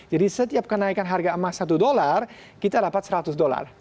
jadi setiap kenaikan harga emas satu dollar kita dapat seratus dollar